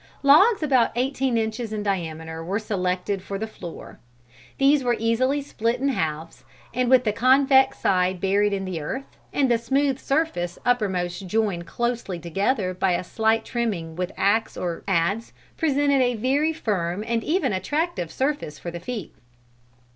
Logs about eighteen inches in diameter were selected for the floor. These were easily split in halves, and with the convex side buried in the earth, and the smooth surface uppermost joined closely together by a slight trimming with axe or adze, presented a very firm and even attractive surface for the feet.